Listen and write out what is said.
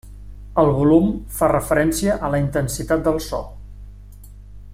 El volum fa referència a la intensitat del so.